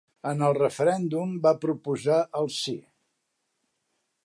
En el referèndum va proposar el sí.